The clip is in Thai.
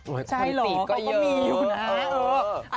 คนสีก็เยอะ